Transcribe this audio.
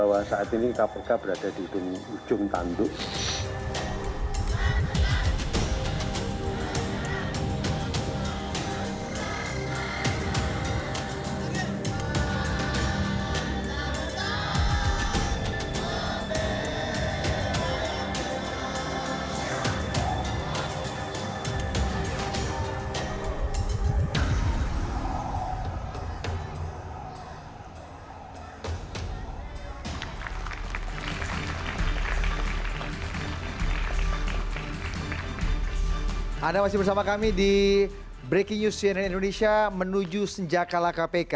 anda masih bersama kami di breaking news cnn indonesia menuju senjata lakapk